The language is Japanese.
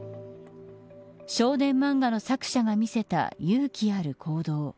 少年漫画の作者が見せた勇気ある行動。